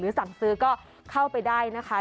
สั่งซื้อก็เข้าไปได้นะคะ